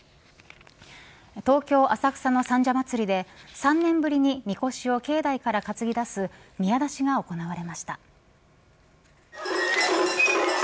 東京、浅草の三社祭で３年ぶりにみこしを境内から担ぎ出す宮出しが行われました。